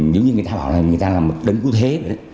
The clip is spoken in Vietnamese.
giống như người ta bảo là người ta là một đấng cứu thế